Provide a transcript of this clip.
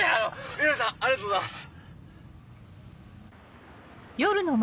米原さんありがとうございます。